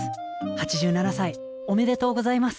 ８７歳おめでとうございます。